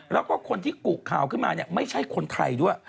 แล้วก็คนที่กุกข่าวขึ้นมาเนี่ยไม่ใช่คนใครด้วย